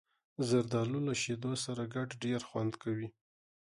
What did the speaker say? زردالو له شیدو سره ګډ ډېر خوند کوي.